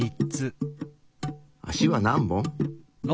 足は何本？